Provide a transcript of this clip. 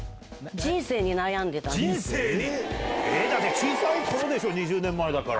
小さい頃でしょ２０年前だから。